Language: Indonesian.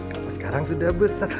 kamu sekarang sudah besar